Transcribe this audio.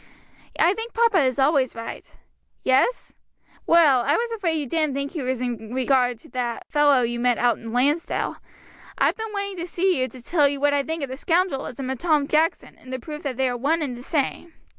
"I think papa is always right." "Yes? Well, I was afraid you didn't think he was in regard to that fellow you met out in Lansdale; I've been wanting to see you to tell you what I know of the scoundrelism of Tom Jackson, and the proof that they are one and the same."